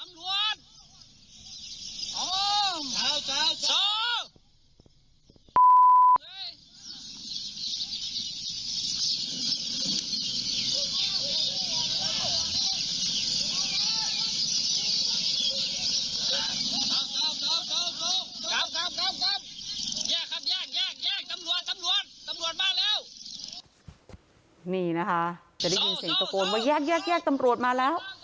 นี่นะคะจะได้ยินเสียงตะโกนว่าแยกแยกตำรวจมาแล้ว